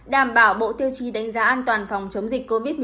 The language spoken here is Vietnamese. đảm bảo bộ tiêu chí đánh giá an toàn phòng chống dịch covid một mươi chín